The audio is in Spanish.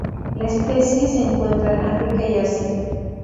La especie se encuentra en África y Asia.